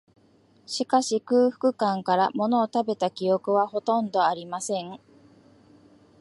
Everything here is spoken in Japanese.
しかし、空腹感から、ものを食べた記憶は、ほとんどありません